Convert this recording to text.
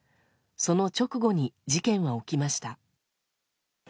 その直後に、事件は起きました。